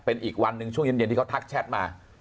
เป็นอีกวันหนึ่งช่วงเย็นที่เขาทักแชทมา